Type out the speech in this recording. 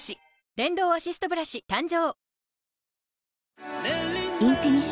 電動アシストブラシ誕生